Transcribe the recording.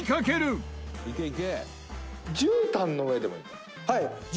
猿之助：「じゅうたんの上でもいいの？」